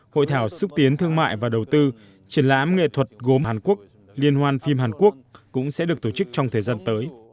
hội thảo xúc tiến thương mại và đầu tư triển lãm nghệ thuật gồm hàn quốc liên hoan phim hàn quốc cũng sẽ được tổ chức trong thời gian tới